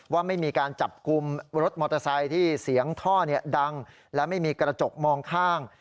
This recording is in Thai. ว่าไม่มีการจับกลุ่มรถมอเตอร์ไซค์ที่เสียงท่อดังและไม่มีกระจกมองข้าง